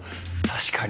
「確かに」